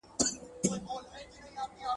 چاچي بد کړي بد به یادیږي .